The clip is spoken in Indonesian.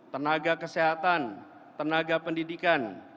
tenaga kesehatan tenaga pendidikan